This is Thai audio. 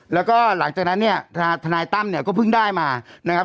แล้วก็หลังจากนั้นเนี่ยทนายตั้มเนี่ยก็เพิ่งได้มานะครับ